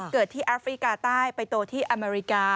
เกิดที่แอฟริกาใต้ไปโตที่อเมริกา